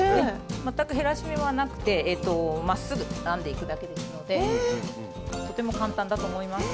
全く減らし目はなくてまっすぐ編んでいくだけですのでとても簡単だと思います。